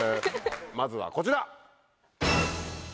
まずはこちら。